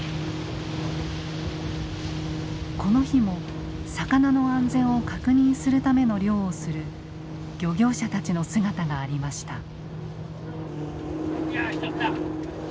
この日も魚の安全を確認するための漁をする漁業者たちの姿がありました。